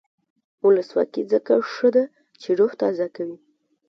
ولسواکي ځکه ښه ده چې روح تازه کوي.